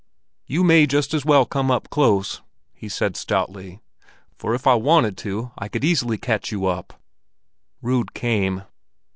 "You may just as well come up close," he said stoutly. "For if I wanted to, I could easily catch you up." Rud came.